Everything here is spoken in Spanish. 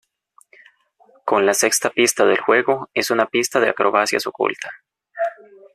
Con la sexta pista del juego es una pista de acrobacias oculta.